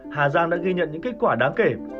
hà giang đã ghi nhận những kết quả đáng kể